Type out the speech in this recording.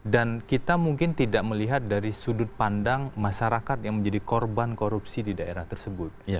dan kita mungkin tidak melihat dari sudut pandang masyarakat yang menjadi korban korupsi di daerah tersebut